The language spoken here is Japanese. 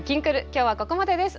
今日はここまでです。